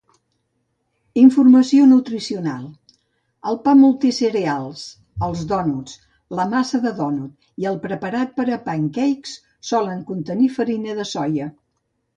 Informació nutricional, el pa multicereals, els dònuts, la massa de dònut i el preparat per a "pancakes" solen contenir farina de soia.